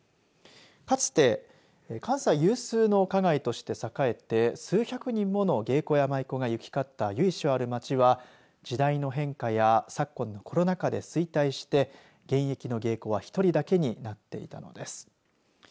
かつて関西有数の花街として栄えて数百人もの芸妓や舞子が行き交った由緒ある街は時代の変化や昨今のコロナ禍で衰退して現役の芸妓は１人だけになっていたのです。